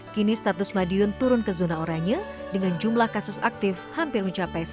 kini status madiun turun ke zona oranye dengan jumlah kasus aktif hampir mencapai satu ratus